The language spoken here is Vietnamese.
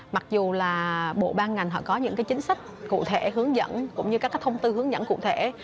mặc dù là bộ ban ngành họ có những chính sách cụ thể hướng dẫn cũng như các thông tư hướng dẫn cụ thể